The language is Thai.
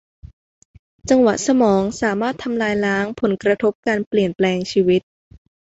จังหวะสมองสามารถทำลายล้างผลกระทบการเปลี่ยนแปลงชีวิต